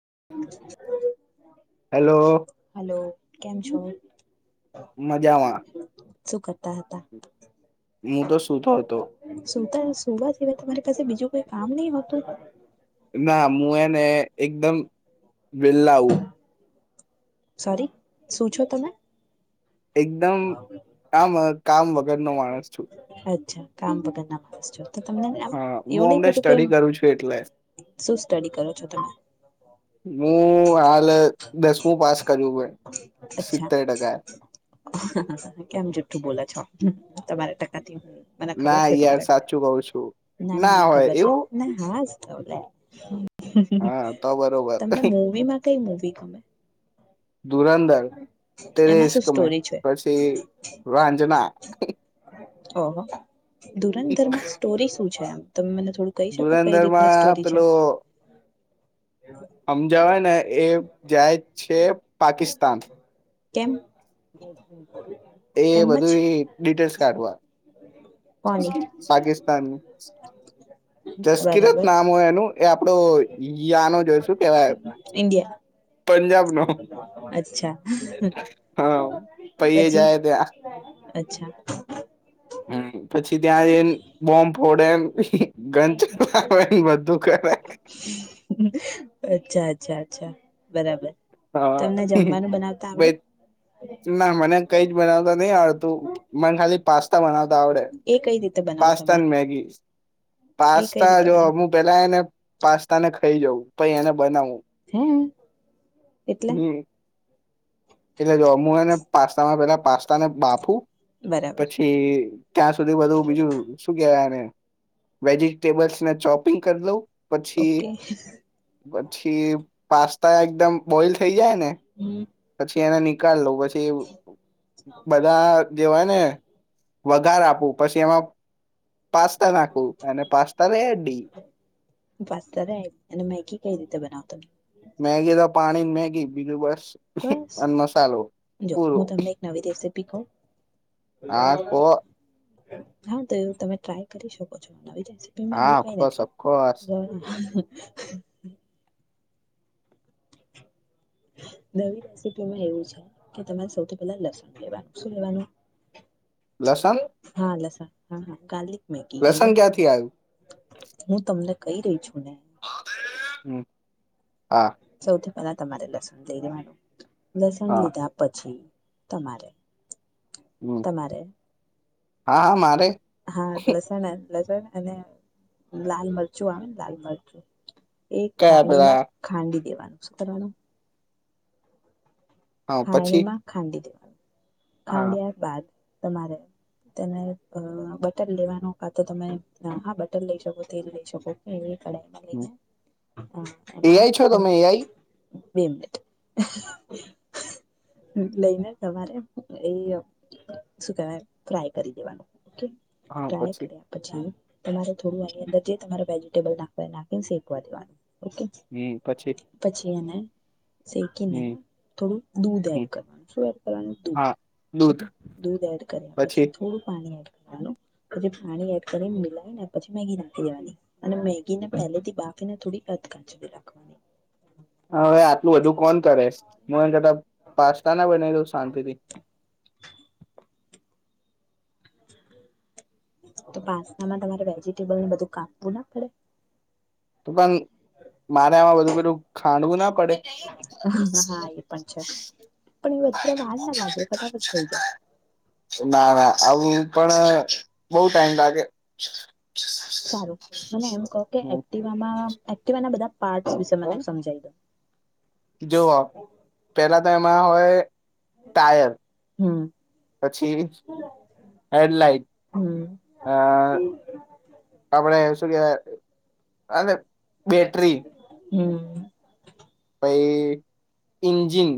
[unintelligible] Hello hello કેમ છો મજામાં શુ કહો હું તો સુતો હતો સુતા સુવા સિવાય તમારી પાસે બીજું કોઈ કામ નહી હોતું ના હું એને એકદમ વેલ્લા હુ સોરી શું છો તમે એકદમ આમ કામ વ ગર નો માણસ છું. અચ્છા કામ વગર ના માણસ છો તો તમને આમ હા હું એવું નહી અમને થતું કે સ્ટડી કરું છું એટલે શું સ્ટડી કરો છો તમે હું હાલ દસમું પાસ કર્યુંવે. અચ્છા કેમ જેઠ્ઠ બોલા છો. હમ્મ તમારા ટકાથી મને ખબર ના છે યાર તમારે સાચું કઉ છું ના ના મને હોય ખબર છે એવું ના હા. લે હ. હા તો બરોબર તમને મુવી માં કઈ મુવી ગમે ધુરંધર તેરે એમાં શું ઇશ્ક મે સ્ટોરી છે પછી વાજના. હ હ. ધુરંધર માં સ્ટોરી શું છે આમ. [inaudible] ધુલંદર માં પેલો અમજવાય ને એ જાય. છે. પાકિસ્તાન. કેમ? એ એમ જ બધું ડિટેલ્સ કાઢવા. કોની પાકિસ્તાન બરાબર જસકિરત નામ હોય એનું એ આપડો યાનો જોઈશું કેવાય ઇન્ડિયા પંજાબ નો અચ્છા હા પહી પછી જાય ત્યાં અચ્છા પછી ત્યાં એ બોમ્બ ફોડે ગન ચલાવે ને બધું કરે. અચ્છા અચ્છા અચ્છા બરાબર. તમને જમવાનું બનાવતા હા આવડે ના મને કઈ જ બનાવતા નહી આવડતું મને ખાલી પાસ્તા બનાવતા આવડે એ કઈ રીતે બનાવો પાસ્તા તમે ને મેગી. એ કઈ પાસ્તા રીતે જો બનાવો હું પેલા ને પાસ્તા ને થઈ જવું પછ એને બનાવું. હે. એટલે? હમ એટલે જો હું એને પાસ્તામાં પેલા પાસ્તા ને બાફુ બરાબર પછી ત્યાં સુધી બધું બીજું શું કેવાયને વેજિટેબલ્સ ના ચોપિંગ કરી દઉ. ઓકે. પછી પાસ્તા એકદમ બોઈલ થઈ જાય ને હમ. એના નિકાલ લઉ પછી બધા દેવાય ને વધાર આપવું પછી એમાં પાસ્તા નાખું અને પાસ્તા લ અડી પાસ્તા રાઈસ અને મેગી કઈ રીતે બનાવો તમે મેગી તો પાણી મેગી બીજું બસ બસ અને મસાલો જો પૂરો હું તમને એક નવી રેસીપી કહું હા પો હા તો એવું તમે ટ્રાય કરી શકો છો નવી જ માં એવું કઈ આખો નથી. સખો નવી રેસીપીમાં એવું છે કે તમારે સૌથી પેલા લસ લેવાનું શું લેવાનું. લસન લસન હા હા કા લસન ક્યાંથી આવ્યું હું તમને કઈ રહી છું અનેને હમ હા સૌથી બ તમારે લસ લસણ હા લીધા પછી. તમારે હમ તમારે હા હા મારે હા લસણા લસણ અને લાલ મરચું આવે ને લાલ મરચું. એ કયા ખાંડી પેલા માં ખાંડી દેવા. સુત્રણ હા ખાણી પછી માં ખાંડી દેવ હમ હા ખાડ્યા બાદ. તમારે તેને અ બટર લેવાનું કા તો તમે આ બટર લઈ શકો તેલ લઈ શકો કે કડાઈમાં હ લઈને એઆઈ છો તમે એઆઈ. બે મિનિટ. લઈને તમારે એ શું કેવાય ફ્રાય કરી દેવાનું. ઓકે હા ટ્રાય પછી કર્યા પછી. તમારે થોડું એની અંદર જે તમારે વેજીિટેબલ નાખવા નાખીને શેકવા દેવાનું. ઓકે હમ પછી પછી એને સેકીને હમ થોડું દૂધ હમ એડ કરવાનું શું આપવાનું દૂધ હા દૂધ દૂધ એડ કરવા પછી થોડું પા પાણી એડ કરવાનું પસી [unintelligible] એડ કરીને મિલાય ને પછી મેગી નાખી દેવાની અને મેગી ને પહેલેથી બાફીને થોડી કચ કચી રાખવાની. હા વે આટલું બધું કોણ કરે. હ કતા પાસ્તાના બનાવ્યો શાંતિથી. તો પાસ્તામાં તમારે વેજીિટેબલને બધું કાપવું ના પડે. તો બાઈ. મારે આ બધું પ [inaudible] ખાંડવું ના પડે હા એ પણ છે પણ એ વધારે વાર ના લાગે ફટાફટ થઈ જાય ના ના. આવું પણ બઉ ટાઈમ લાગે. સારું મને એમ કહો કે એક્ટિવામાં એક્ટિવાને બધા પાર્ટસ વિશે મને સમજાઈ દઉ. જુઓ પેલા તો એમાં હોય ટાયર હમ પછી હેડલાઈટ હમ અ આપડે ગે અને બેટરી હમ પહી ઇન્જિન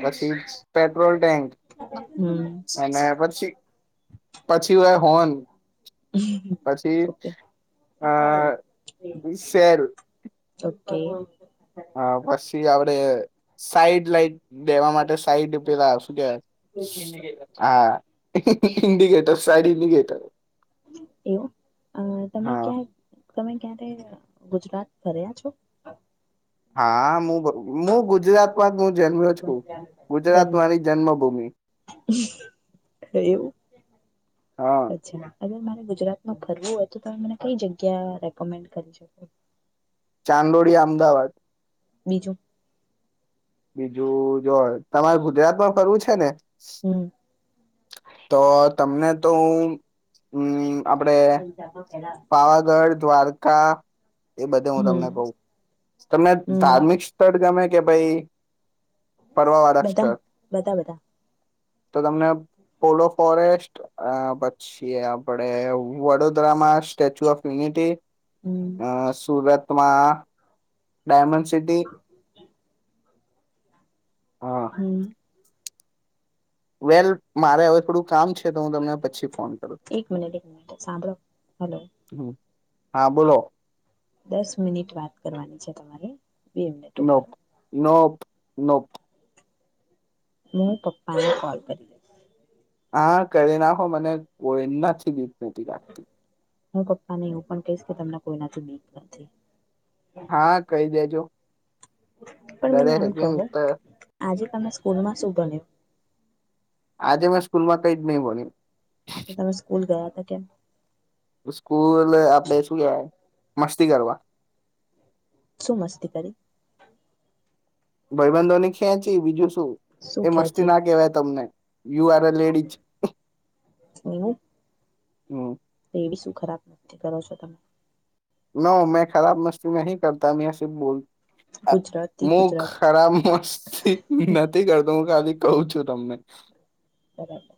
પછી પેટ્રોલ ટેન્ક હમ અને પછી પછી હો હોન પછી ઓકે અ સેલ. ઓકે ઓ પછી આપડે સાઈડ લાઈટ. દેવા માટે સાઈડ પેલા શું કેવાય આ ઇન્ડિકેટર સાઇડ ઇન્ડિકેટર. એવું અ તમે હા ક્યાં તમે ક્યારે તે ગુજરાત ફર્યા છો? હા મુ મુ ગુજરાતમાં નો જન્મ્યો છું ગુજરાત જન્મે મારી જન્મભૂમિ. એવું. હા અચ્છા [unintelligible] ગુજરાતમાં ફરવું હોય તો તમે મને કઈ જગ્યા રેકમેન્ડ કરી શકો. ચાંદલોડીયા અમદાવાદ બીજું બીજું જો તમારે ગુજરાતમાં ફરવું છે ને હમ. તો તમને તો હ હમ આપડે પાવાગઢ દ્વારકા એ બધે હું હમ તમને કહું તમને હમ ધાર્મિક સ્થળ ગમે કે ભાઈ ફરવા વાળા બધા સ્થળ બધા બધા તો તમને પોલો ફોરેસ્ટ પછી આપડે વડોદરામાં સ્ટેચ્યુ ઓફ યનિટી હમ અ સુરત ટૂંકમાં ડાયમંડ સીટી હમ. વેલ મારે હવે થોડું કામ છે તો હું તમને પછી ફોન કરું એક મિનિટ એક મિનિટ સાંભળો. હલો. હમ હા બોલો. દસ મિનિટ વાત કરવાની છે તમારે. બે મિનિટ ઉભા નો રહો નો નો હું પપ્પાને કોલ કરીશ. હા કરી નાખો મને બહુ એમનાથી બીક નથી લાગતી. હું પપ્પાને એવુ પણ કહીશ કે તમને કોઈનાથી બીક નથી લાગતી. હા કહી દેજો પણ ડરે મને છે એમ કહો કેમ તો આજે તમે સ્કૂલમાં શું ભણ્યું? આજે મેં સ્કૂલમાં કઈ જ નહી ભણ્યું. તો તમે સ્કૂલ ગયા. તો ક્યાં સ્કૂલ આપડે શું કેવાય મસ્તી કરવા. શું મસ્તી કરી. ભાઈબંધોની ખેંચી બીજું શુ. શું એ મસ્તી ખેંચી ના કેહેવાય તમને યુ આર અ લેડીજ [inaudible] તો એવી શું ખરાબ [unintelligible] કરો છો તમે? નો મેં ખરાબ મસ્તી નહી કરતા મે સ બોલ ગુજરાતી હું ગુજરાતી ખરાબ મસ્તી નથી કરતો હું ખાલી કઉ છું તમને બરાબર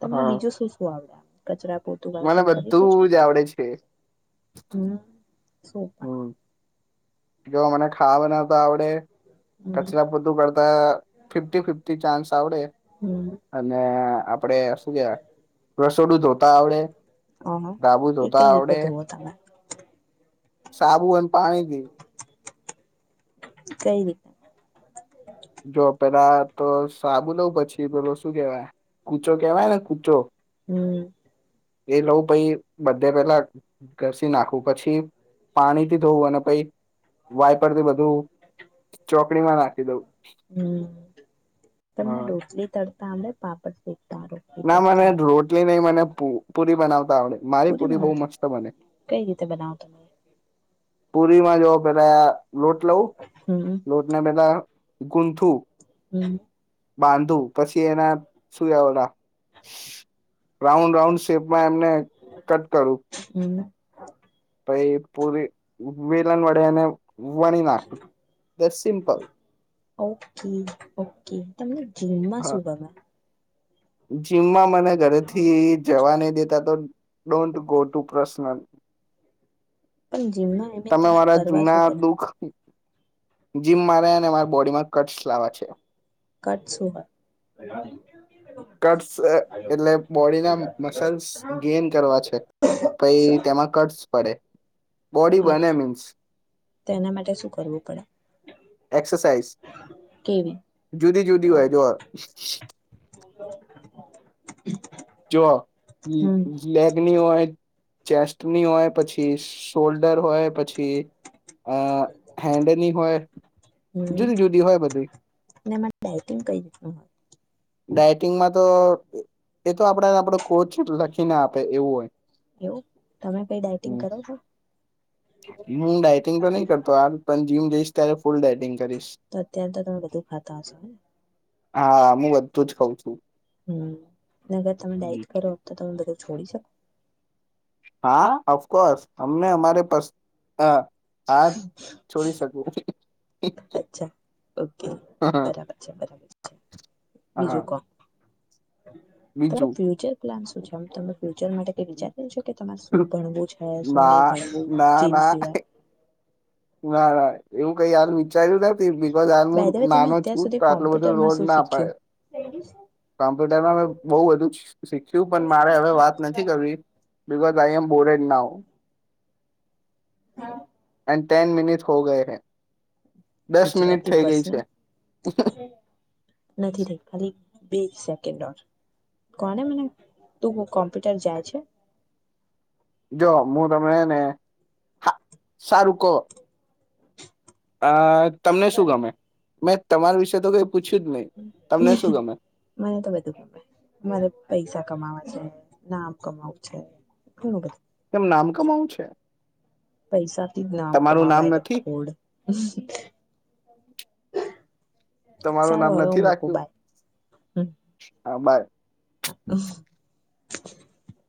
તમને હા બીજું શું શું આવડે કચરા પોતું મને વાસણ કરી લો છો બધું જ આવડે છે. હમ શું પણ હમ જો મને ખાવાને તો આવડે પણ કચરા પોતુ કરતા ફિફ્ટી-ફિફ્ટી ચાન્સ આવડે હમ હમ અને આપડે શું કેવા થોડું ધોતા આવડે. હ હ સાબુ એ ધોતા કઈ રીતે આવડે ધોવો તમે સાબુ અને પાણીથી. કઈ રીતે. જો પેલા તો સાબુ લઉં પછી પેલો શું કેવાય કુચો કેવાય ને કુચો હમ્મ એ લઉં પહી બધે પેલા ઘસી નાખું પછી પાણીથી ધોવું અને પહી વાયપરથી બધું ચોકડીમાં નાખી દઉ. હમ્મ તમને હા ઢોકલી તડ તા આવડે પાપડ શેકતા રોટલી ના મને તળતા રોટલી નહી મને પ પુરી બનાવ તા આવડે મારી પૂરી પુરી બહુ બનાવતા મસ્ત બને. કઈ રીતે બનાવો તમે પુરીમાં જોવો પેલા લોટ લઉું હમ લોટ ને પેલા ગુંનથુ હમ્મ - બાંધુ પછી એના શું ઓડા રાઉન્ડ રાઉન્ડ શેપ માં એમને કટ કરું હમ પહી પુરી વેલન વડે એને વણી નાખુ જસ્ટ સિમ્પલ ઓકે ઓકે તમને જીમમાં હા શું ગમે? જીમમાં મને ઘરેથી જવા નહી દેતા તો ડોન્ટ ગો ટુ પ્રસ ન પણ જીમમાં એમને તમારે કરવા જૂના શું કર્યું દુઃખ જીમ મારે અને મારા બોડીમાં કટસ લાવવા છે. કટસ શું હોય? કટ્સ અ એટલે બોડીના મસલ્સ ગેન કરવા છે પઈ શું તેમાં કટ્સ પડે. બોડી આ બને મીન્સ તેના માટે શું કરવું પડે એક્સરસાઇઝ કેવી જુદી જુદી હોય જો જો હમ લેગની હોય ચેસ્ટની હોય પછી શોલ્ડર હોય. પછી અ હેન્ડની હોય હમ જુદી જુદી હોય બધી. ને એમાં ડાયટિંગ કઈ રીતનું હોય ડાયટિંગમાં તો એ તો આપડે આપડો કોચ લખીને આપે એવું હોય. એવું તમે કઈ ડાયટિંગ કરો છો હમ હું ડાઈટિંગ તો નહી કરતો આ પણ જીમ જય તરફ તો અત્યારે તો તમે બધું ખાતા હશોને. હા મુગત ધુ જ ખાઉ છું. હમ અગર તમે ડાઇટ કરો તો તમે બધું છોડી શકો. હા અફકોર્સ અમને અમારે પર્સ અ અચ્છા ઓકે બરાબર છે બરાબર છે હા બીજું કોવ તો બીજું ફ્યુચર પ્લાન શું છે આમ તમે ફ્યુચર માટે વિચારી છો કે તમારે શું કરવું છે શું નહી ના ભણવું જીમ સિવાય. વારાય. એવું કઈ હાલ વિચાર્યું નથી બી બાય ધ વે તમે નાનો અત્યાર છૂ તો સુધી આટલું બધું કોમ્પ્યુટરમાં રોડ શું ના શીખ્યું થાય. કોમ્પ્યુટરમાં મેં બઉ બધું શીખ્યું પણ મારે હવે વાત નથી કરવી બ તાઈ એમ બોરેડ ના હો. હા. ટેન મિનિટ હો ગયે હૈ ગુજરાતી બસ ને નથી થ ખાલી બીસ સેકન્ડર કોને મને તું કોમ્પ્યુટર જાય છે જો હું તમેં ને સારું કહો આ તમને શું ગમે મેં તમારા વિશે તો કઈ પૂછ્યું જ નહી તમને શું ગમે મને તો બધું ગમે મારે પૈસા કમાવા છે નામ કમાવું છે ઘણું બધું કેમ નામ કમાવું છે પૈસાથી જ નામ તમારું નામ કમાવાય નથી ડફોડ તમારું નામ હવે હું નથી મૂકું રાખ્યું બાય હા બાય [inaudible] [inaudible]